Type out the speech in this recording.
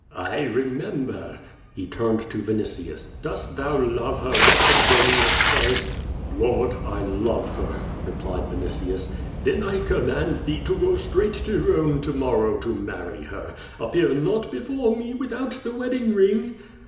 '' "I remember." He turned to Vinitius. "Dost thou love her as Petronius says?" "Ijord, I love her!" replied Vinitius. "Then I command thee to go straight to Rome to morrow to marry her. Appear not before me without the wedding ring."